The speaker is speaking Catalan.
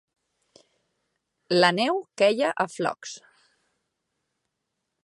La neu queia a flocs.